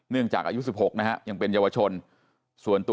เนื่องจากอายุ๑๖นะครับยังเป็นยาวชน